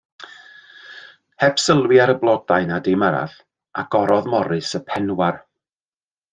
Heb sylwi ar y blodau na dim arall, agorodd Morris y penwar.